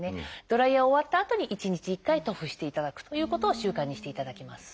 ドライヤー終わったあとに１日１回塗布していただくということを習慣にしていただきます。